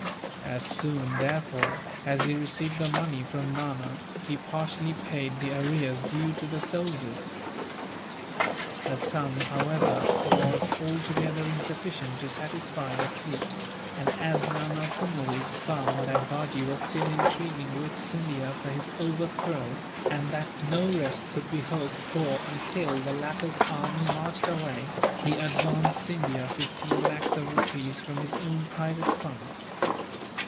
As soon, therefore, as he received the money from Nana, he partially paid the arrears due to the soldiers. The sum, however, was altogether insufficient to satisfy the troops and, as Nana Furnuwees found that Bajee was still intriguing with Scindia for his overthrow, and that no rest could be hoped for until the latter's army marched away, he advanced Scindia fifteen lakhs of rupees from his own private funds.